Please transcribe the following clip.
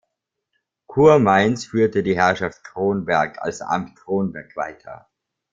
Kurmainz führte die Herrschaft Kronberg als Amt Kronberg weiter.